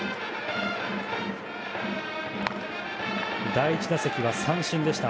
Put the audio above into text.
第１打席は三振でした。